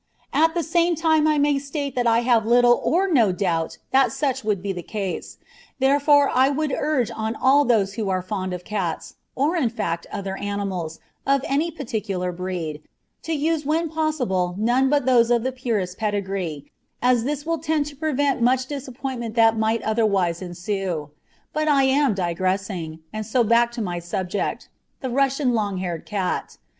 At the same time I may state that I have little or no doubt that such would be the case; therefore I would urge on all those who are fond of cats or, in fact, other animals of any particular breed, to use when possible none but those of the purest pedigree, as this will tend to prevent much disappointment that might otherwise ensue. But I am digressing, and so back to my subject the Russian long haired cat.